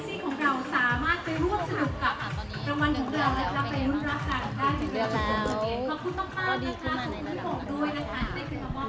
เรียกน้องแล้วก็ดีขึ้นมาในรักความรัก